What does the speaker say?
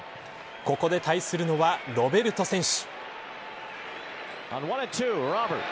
ここで対するのはロベルト選手。